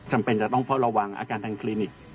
จำเป็นจะต้องเฝ้าระวังอาการทางคลินิก